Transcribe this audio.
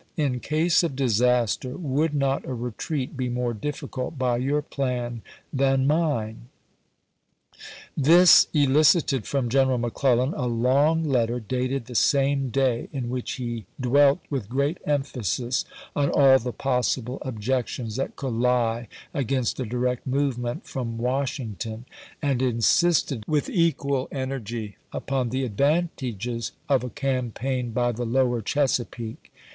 In case of disaster, would not a retreat be more p. 713. difficult by your plan than mine ? This elicited from General McClellan a long letter, dated the same day, in which he dwelt with great emphasis on all the possible objections that could lie against a direct movement from Wash ington, and insisted with equal energy upon the Vol. v.— 11 162 ABRAHAM LINCOLN Chap. IX. advantages of a campaign by the lower Chesapeake.